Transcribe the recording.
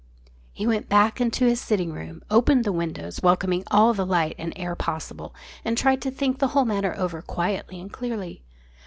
He went back into his sitting room, opened the windows, welcoming all the light and air possible, and tried to think the whole matter over quietly and clearly.